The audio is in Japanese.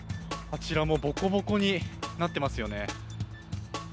あちらもぼこぼこになっていますよね。